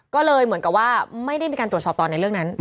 ก็เลยเหมือนกับว่าไม่ได้มีการตรวจสอบตอนในเรื่องนั้น